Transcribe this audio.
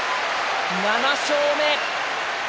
７勝目。